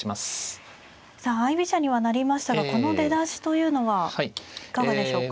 さあ相居飛車にはなりましたがこの出だしというのはいかがでしょうか。